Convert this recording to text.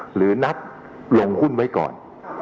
หรือนัดลงหุ้นไว้ก่อน